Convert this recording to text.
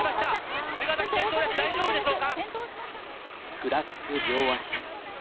ふらつく両足。